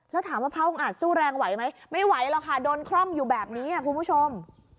แล้วถามว่าพระองค์อาจสู้แรงไหวไหมไม่ไหวหรอกค่ะโดนคล่อมอยู่แบบนี้คุณผู้ชม